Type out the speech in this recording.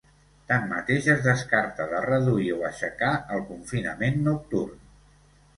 Tanmateix, es descarta de reduir o aixecar el confinament nocturn.